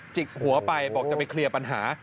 จิกหัวไปบอกจะไปเคลียร์ปัญหา